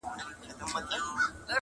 ژر مي باسه له دې ملکه له دې ځایه!.